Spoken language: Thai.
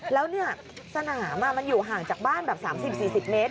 แล้วสนามมันอยู่ห่างจากบ้านแบบ๓๐๔๐เมตร